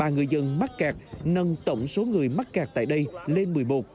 ba người dân mắc kẹt nâng tổng số người mắc kẹt tại đây lên một mươi một